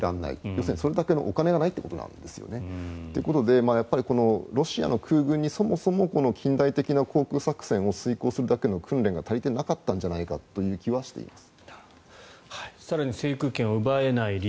要するにそれだけのお金がないということなんですよね。ということで、ロシアの空軍にそもそも近代的な航空作戦を遂行するだけの訓練が足りてなかったんじゃないかという気はしています。